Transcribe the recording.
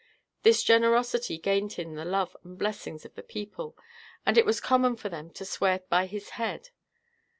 This generosity gained him the love and blessings of the people, and it was common for them to swear by his head.